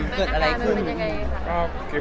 เกิดอะไรขึ้น